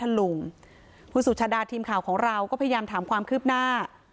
ลุงคุณสุชาดาทีมข่าวของเราก็พยายามถามความคืบหน้า